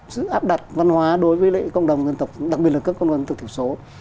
sự áp đặt văn hóa đối với lại cộng đồng dân tộc đặc biệt là các cộng đồng dân tộc thủ số